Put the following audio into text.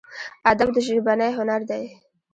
ادب ژبنی هنر دی.